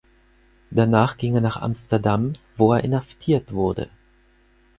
Danach ging er nach Amsterdam, wo er inhaftiert wurde.